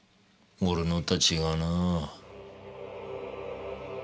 俺のとは違うなぁ。